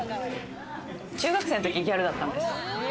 中学生のとき、ギャルだったんです。